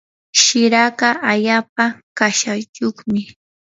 shiraka allaapa kashayuqmi.